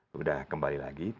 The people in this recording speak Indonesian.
sudah kembali lagi